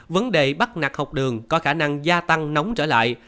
vấn đề bắt nạc học đường có khả năng gia tăng nóng trở lại